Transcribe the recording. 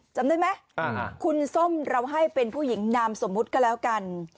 จำได้ไหมคุณส้มเราให้เป็นผู้หญิงนามสมมุติก็แล้วกัน